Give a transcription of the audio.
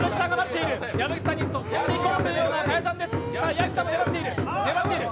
屋敷さんも粘っている。